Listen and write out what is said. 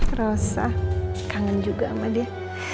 eh rosa kangen juga sama dia